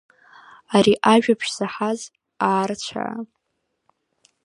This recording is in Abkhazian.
Ари ажәабжь заҳаз аарцәаа…